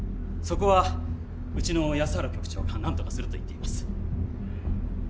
そこはうちの安原局長が「なんとかする」と言っています。